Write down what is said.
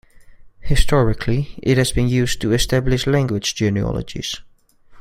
Historically it has been used to establish language genealogies.